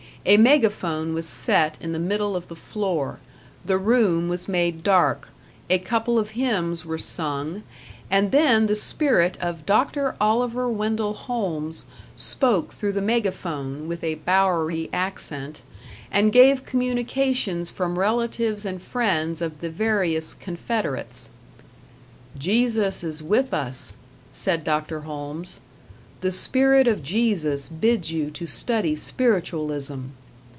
A megaphone was set in the middle of the floor, the room was made dark, a couple of hymns were sung, and then the spirit of Dr. Oliver Wendell Holmes spoke through the megaphone with a Bowery accent, and gave communications from relatives and friends of the various confederates. "Jesus is with us", said Dr. Holmes. "The spirit of Jesus bids you to study spiritualism."